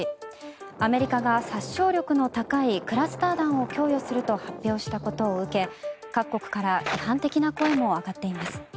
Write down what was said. アメリカが殺傷力の高いクラスター弾を供与すると発表したことを受け各国から批判的な声も上がっています。